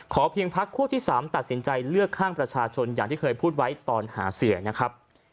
เพียงพักคั่วที่๓ตัดสินใจเลือกข้างประชาชนอย่างที่เคยพูดไว้ตอนหาเสียงนะครับ